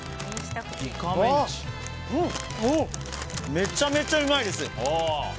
めちゃめちゃうまいです。